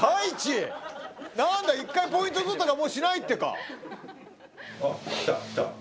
何だ１回ポイント取ったらもうしないってか？